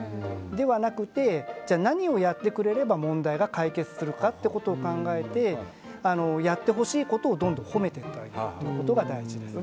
ではなくてじゃあ何をやってくれれば問題が解決するかってことを考えてやってほしいことをどんどん褒めてってあげるということが大事ですね。